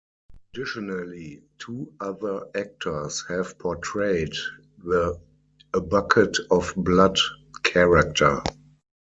Additionally, two other actors have portrayed the "A Bucket of Blood" character.